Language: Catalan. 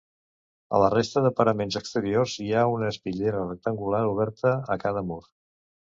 A la resta de paraments exteriors hi ha una espitllera rectangular oberta a cada mur.